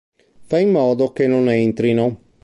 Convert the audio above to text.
Fa' in modo che non entrino!".